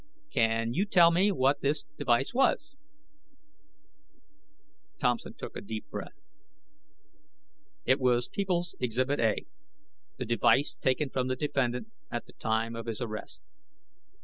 "Can you tell me what this device was?" Thompson took a deep breath. "It was People's Exhibit A the device taken from the defendant at the time of his arrest."